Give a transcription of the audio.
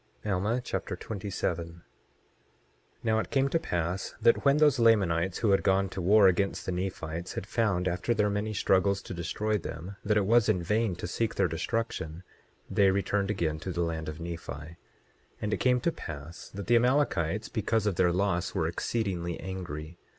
Alma Chapter 27 27:1 Now it came to pass that when those Lamanites who had gone to war against the Nephites had found, after their many struggles to destroy them, that it was in vain to seek their destruction, they returned again to the land of Nephi. 27:2 And it came to pass that the Amalekites, because of their loss, were exceedingly angry.